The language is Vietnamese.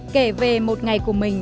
kể về một ngày của mình